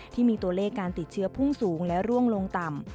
ที่มีตัวเลขการติดเชื้อพุ่งสูงและร่วงลงต่ำ